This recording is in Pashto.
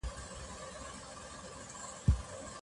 په لویه جرګه کي د مېرمنو استازي څوک دي؟